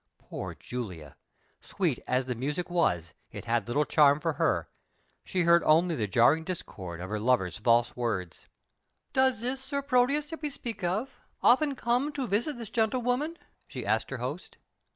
Poor Julia! Sweet as the music was, it had little charm for her; she heard only the jarring discord of her lover's false words. "Doth this Sir Proteus that we speak of often come to visit this gentlewoman?" she asked her host.